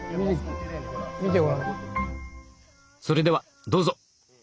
それではどうぞ！